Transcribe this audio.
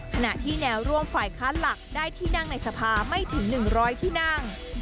ขณะที่แนวร่วมฝ่ายค้านหลักได้ที่นั่งในสภาไม่ถึง๑๐๐ที่นั่ง